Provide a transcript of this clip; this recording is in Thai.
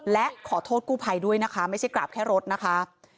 และขอโทษกู้ภัยด้วยนะคะไม่ใช่กราบแค่รถนะคะ